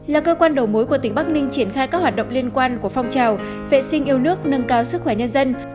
là cơ quan đầu mối của tỉnh bắc ninh triển khai các hoạt động liên quan của phong trào vệ sinh yêu nước nâng cao sức khỏe nhân dân